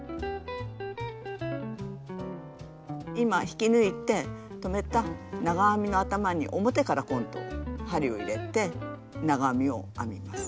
今引き抜いて止めた長編みの頭に表から今度針を入れて長編みを編みます。